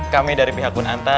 kami dari pihak kunanta